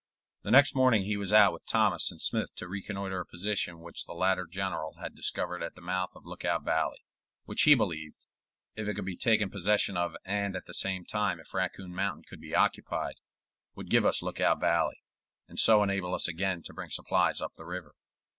The next morning he was out with Thomas and Smith to reconnoiter a position which the latter general had discovered at the mouth of Lookout Valley, which he believed, if it could be taken possession of and at the same time if Raccoon Mountain could be occupied, would give us Lookout Valley, and so enable us again to bring supplies up the river.